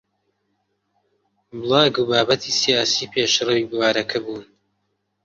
بڵاگ و بابەتی سیاسی پێشڕەوی بوارەکە بوون